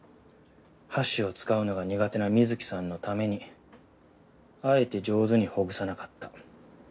箸を使うのが苦手な美月さんのためにあえて上手にほぐさなかった。